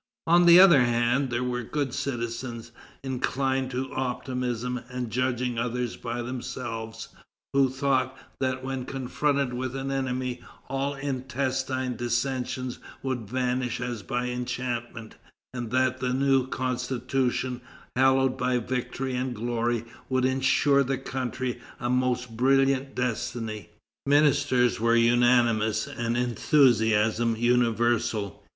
On the other hand, there were good citizens, inclined to optimism and judging others by themselves, who thought that when confronted with an enemy, all intestine dissensions would vanish as by enchantment, and that the new Constitution, hallowed by victory and glory, would ensure the country a most brilliant destiny. Ministers were unanimous, and enthusiasm universal.